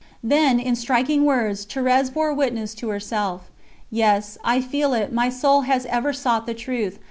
Then, in striking words, Thérèse bore witness to herself: "Yes, I feel it; my soul has ever sought the truth.